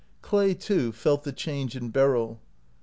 Clay too felt the change in Beryl.